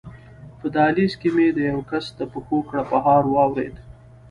په دهلېز کې مې د یوه کس د پښو کړپهار واورېد.